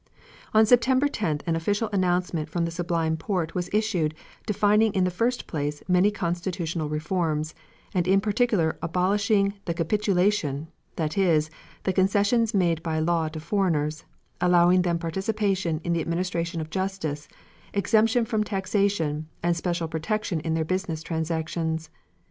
On September 10th an official announcement from the Sublime Porte was issued defining in the first place many constitutional reforms, and in particular abolishing the capitulation, that is, the concessions made by law to foreigners, allowing them participation in the administration of justice, exemption from taxation, and special protection in their business transactions.